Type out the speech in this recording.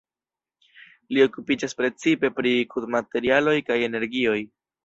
Li okupiĝas precipe pri krudmaterialoj kaj energioj.